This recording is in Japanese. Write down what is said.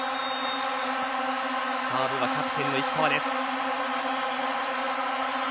サーブはキャプテンの石川です。